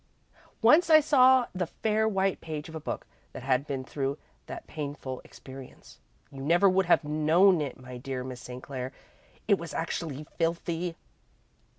Once I saw the fair white page of a book that had been through that painful experience. You never would have known it, my dear Miss St. Clair it was actually filthy!"